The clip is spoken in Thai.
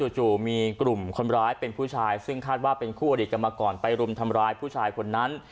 จู่มีกลุ่มคนร้ายเป็นผู้ชายซึ่งคาดว่าเป็นคู่อดีตกันมาก่อนไปรุมทำร้ายผู้ชายคนนั้น